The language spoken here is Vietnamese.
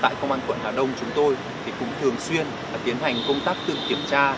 tại công an quận hà đông chúng tôi thì cũng thường xuyên tiến hành công tác tự kiểm tra